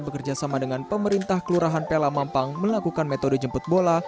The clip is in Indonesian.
bekerjasama dengan pemerintah kelurahan pela mampang melakukan metode jemput bola